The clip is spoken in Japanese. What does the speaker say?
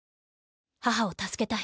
母を助けたい。